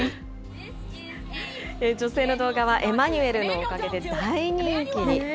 女性の動画はエマニュエルのおかげで大人気に。